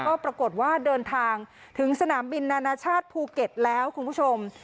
ก็ปรากฏว่าเดินทางถึงสนามบินนานาชาติภูเก็ตแล้วคุณผู้ชม